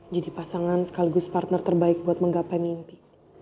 jadi pasangan sekaligus partner terbaik buat menggapai mimpi